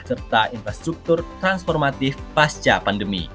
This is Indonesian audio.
serta infrastruktur transformatif pasca pandemi